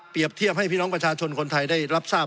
เทียบให้พี่น้องประชาชนคนไทยได้รับทราบ